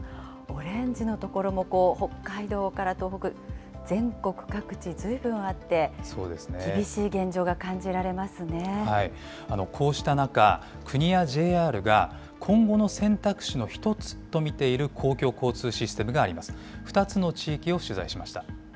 オレンジの所も北海道から東北、全国各地、ずいぶんあって、厳しこうした中、国やＪＲが、今後の選択肢の一つと見ている公共交通システムがあります。